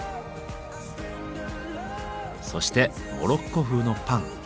そしてモロッコ風のパン。